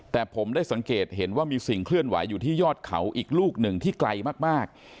แต่ผมได้สังเกตเห็นว่ามีสิ่งเคลื่อนไหวอยู่ที่ยอดเขาอีกลูกหนึ่งที่ไกลมาก